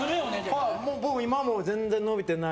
はい。